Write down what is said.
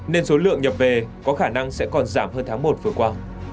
nên số lượng nhập về có khả năng sẽ còn giảm hơn tháng một vừa qua